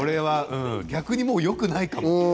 逆にもうよくないかも。